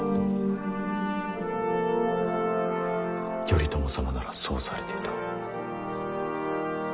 頼朝様ならそうされていた。